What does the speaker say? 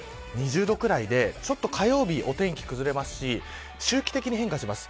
２０度くらいで火曜日にお天気が崩れますし周期的に変化します。